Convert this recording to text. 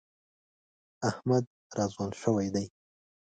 احمد را ځوان شوی دی.